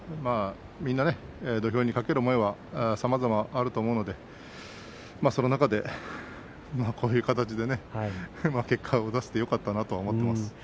みんな土俵に懸ける思いはさまざまあると思うのでその中で、こういう形でね結果を出せてよかったなと思っています。